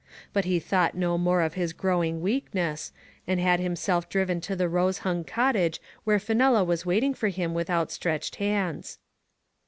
But he thought no more of his growing weakness, and had himself driven to the rose hung cottage where Fenella was waiting for him with outstretched hands.